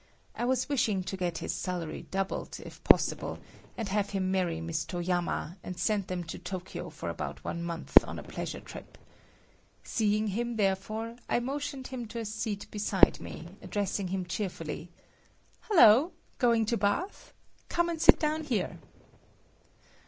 I was wishing to get his salary doubled, if possible, and have him marry Miss Toyama and send them to Tokyo for about one month on a pleasure trip. Seeing him, therefore, I motioned him to a seat beside me, addressing him cheerfully: "Hello[H], going to bath? Come and sit down here."